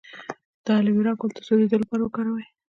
د الوویرا ګل د سوځیدو لپاره وکاروئ